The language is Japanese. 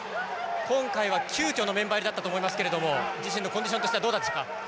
今回は急きょのメンバー入りだったと思いますけれども自身のコンディションとしてはどうでしたか？